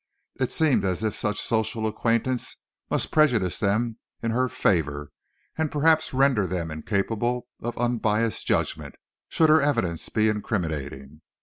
It seemed as if such social acquaintance must prejudice them in her favor, and perhaps render them incapable of unbiased judgment, should her evidence be incriminating.